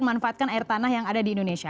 memanfaatkan air tanah yang ada di indonesia